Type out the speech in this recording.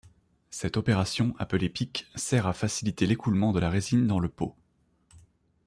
Cette opération, appelée pique, sert à faciliter l’écoulement de la résine dans le pot.